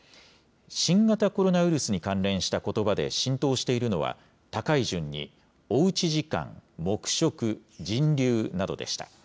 新型コロナウイルスに関連したことばで浸透しているのは、高い順におうち時間、黙食、人流などでした。